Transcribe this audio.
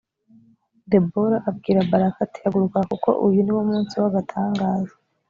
debora abwira baraki ati haguruka kuko uyu niwo munsi wagatangaza